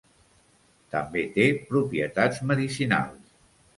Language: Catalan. També té propietats medicinals.